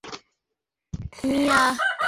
আমার ভুল হয়েছে, সাজ্জাদ।